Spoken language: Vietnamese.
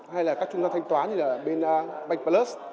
hay là các trung doanh thanh toán như là bên bankplus